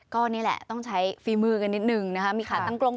ก็นี่แหละต้องใช้ฟีมือกันนิดนึง